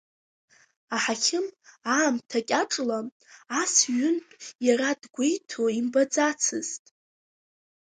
Аҳақьым аамҭа кьаҿла ас ҩынтәы иара дгәеиҭо имбаӡацызт.